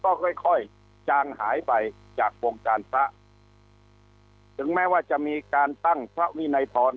ก็ค่อยค่อยจางหายไปจากวงการพระถึงแม้ว่าจะมีการตั้งพระวินัยพร